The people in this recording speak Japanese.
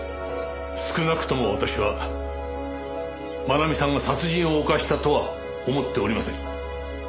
少なくとも私は愛美さんが殺人を犯したとは思っておりません。